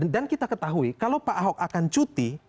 dan kita ketahui kalau pak ahok akan cuti